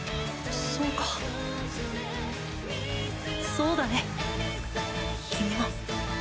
そうかそうだね君も。